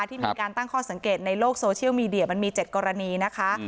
ที่มีการตั้งข้อสังเกตในโลกโซเชียลมีเดียมันมี๗กรณีนะคะ